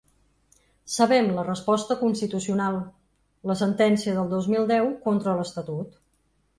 Sabem la resposta constitucional: la sentència del dos mil deu contra l’estatut.